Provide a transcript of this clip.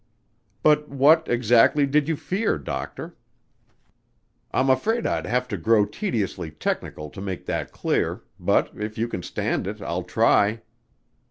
"But what, exactly, did you fear, Doctor?" "I'm afraid I'd have to grow tediously technical to make that clear, but if you can stand it, I'll try."